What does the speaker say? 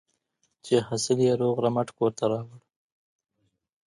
چې حاصل یې روغ رمټ کور ته راوړ.